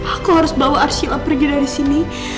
aku harus bawa arshila pergi dari sini